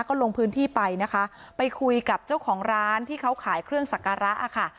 ก็ลงพื้นที่ไปนะคะไปคุยกับเจ้าของร้านที่เขาขายเครื่องสักการะค่ะ